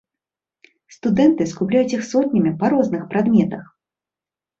Студэнты скупляюць іх сотнямі па розных прадметах.